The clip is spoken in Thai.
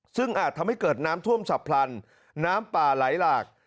ซึ่งอาจทำให้เกิดน้ำท่วมฉับพลันน้ำป่าไหลหลาก